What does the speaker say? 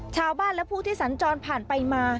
ชาวบ้านและผู้ที่สัญจรผ่านไปมา